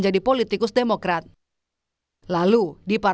ya pasti di lontar prodise